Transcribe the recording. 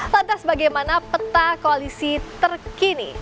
lantas bagaimana peta koalisi terkini